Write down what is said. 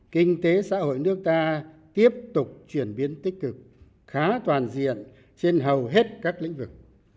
kinh tế xã hội nước ta tiếp tục chuyển biến tích cực khá toàn diện trên hầu hết các lĩnh vực